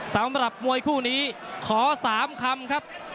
สำหรับมวยคู่นี้ขอ๓คำครับ